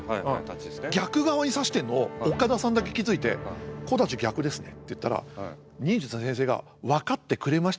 逆側に差してんのを岡田さんだけ気付いて「小太刀逆ですね」って言ったら忍術の先生が「分かってくれましたか」